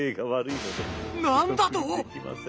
何だと！